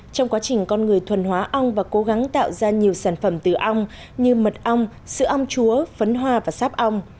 trong quá trình con người thuần hóa ong và cố gắng tạo ra nhiều sản phẩm từ ong như mật ong sữa ong chúa phấn hoa và sáp ong